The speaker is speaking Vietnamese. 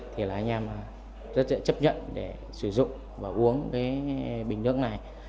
thì là anh em rất dễ chấp nhận để sử dụng và uống cái bình nước này